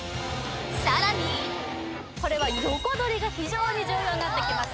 さらにこれは横取りが非常に重要になってきます